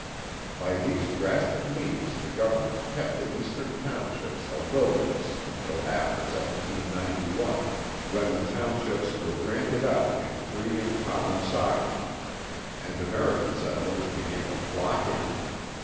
By these drastic means the government kept the Eastern Townships a wilderness until after 1791, when the townships were granted out in free and common socage, and American settlers began to flock in.